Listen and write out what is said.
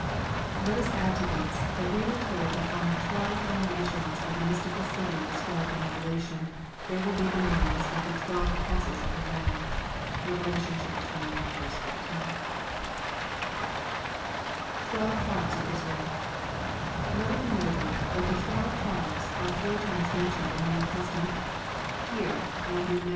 Let us add to this, that we are told that on the twelve founda tions of the mystical city described in Revelation, there were the names of the " twelve apostles of the Lamb." (Rev. xxi. 14.) [Twelve tribes of Israeli Let it be noted, that the " twelve tribes" are four times mentioned in the New Testament, here, and in Matt.